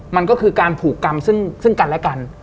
มันก็คือการผูกกรรมซึ่งกันและกัน